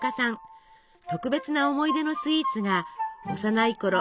特別な思い出のスイーツが幼いころ